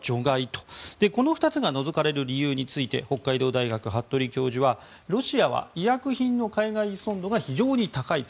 この２つが除かれる理由について北海道大学、服部教授はロシアは医薬品の海外依存度が非常に高い。